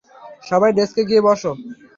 সবাই ডেস্কে গিয়ে বসো।